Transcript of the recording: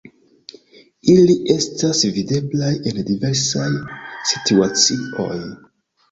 Ili estas videblaj en diversaj situacioj.